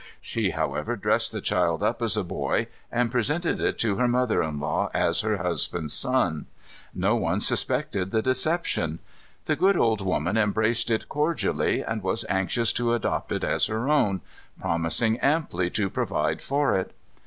She, however, dressed the child up as a boy, and presented it to her mother in law as her husband's son. No one suspected the deception. The good old woman embraced it cordially, and was anxious to adopt it as her own, promising amply to provide for it.